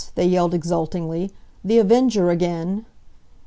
they yelled exultingly. "The Avenger again!"